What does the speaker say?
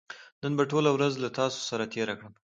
نن به ټوله ورځ له تاسو سره تېره کړم